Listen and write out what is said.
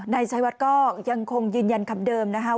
นายชัยวัดก็ยังคงยืนยันคำเดิมนะคะ